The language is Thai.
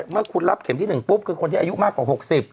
เมื่อคุณรับเข็มที่๑ปุ๊บคือคนที่อายุมากกว่า๖๐